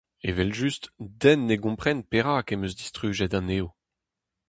Evel-just, den ne gompren perak em eus distrujet anezho.